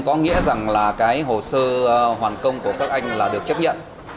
có nghĩa rằng là cái hồ sơ hoàn công của các anh là được chấp nhận